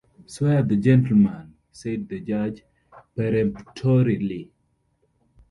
‘Swear the gentleman,’ said the judge peremptorily.